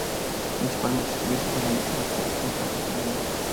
Principalmente escribió sobre la interacción entre adulto y niño.